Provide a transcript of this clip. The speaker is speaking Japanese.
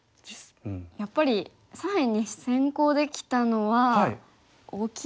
やっぱり左辺に先行できたのは大きいですね。